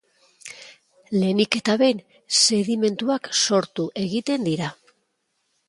Lehenik eta behin, sedimentuak sortu egiten dira.